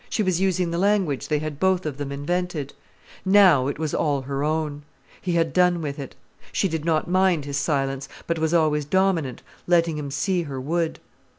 She was using the language they had both of them invented. Now it was all her own. He had done with it. She did not mind his silence, but was always dominant, letting him see her wood.